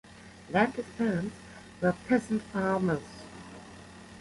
Lanti's parents were peasant farmers.